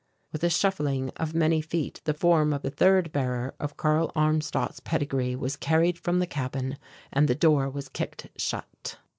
With a shuffling of many feet the form of the third bearer of Karl Armstadt's pedigree was carried from the cabin, and the door was kicked shut.